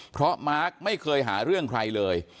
เพราะไม่เคยหาเรื่องใครสอะไร